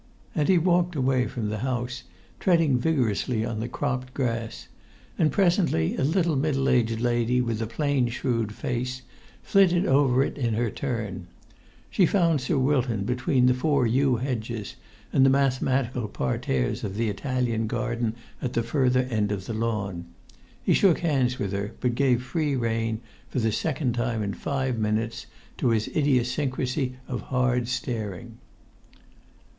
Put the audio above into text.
And he walked away from the house, treading vigorously on the cropped grass; and presently a little middle aged lady, with a plain, shrewd face, flitted over it in her turn. She found Sir Wilton between the four yew hedges and the mathematical parterres of the[Pg 85] Italian garden at the further end of the lawn. He shook hands with her, but gave free rein, for the second time in five minutes, to his idiosyncrasy of hard staring.